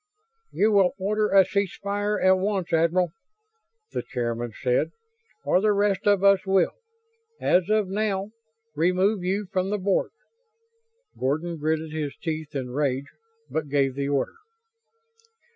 "You will order a cease fire at once, Admiral," the chairman said, "or the rest of us will, as of now, remove you from the Board." Gordon gritted his teeth in rage, but gave the order.